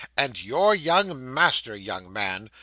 'And your master, young man!